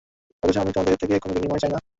অথচ আমি তোমাদের থেকে কোন বিনিময় চাই না।